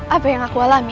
apa yang aku alami